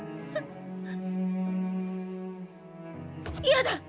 嫌だ！